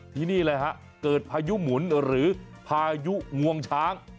ที่นี่เลยฮะเกิดพายุหมุนหรือพายุงวงช้าง